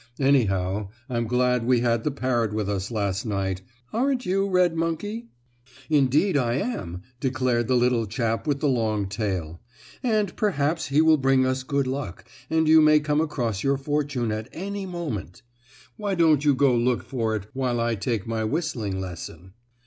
Anyhow, I'm glad we had the parrot with us last night; aren't you, red monkey?" "Indeed I am," declared the little chap with the long tail. "And perhaps he will bring us good luck, and you may come across your fortune at any moment. Why don't you go look for it while I take my whistling lesson?"